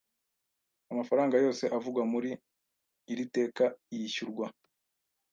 Amafaranga yose avugwa muri iri teka yishyurwa